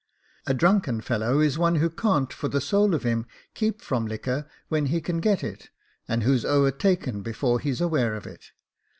A drunken fellow is one who can't, for the soul of him, keep from liquor, when he can get it, and who's overtaken before he is aware of it.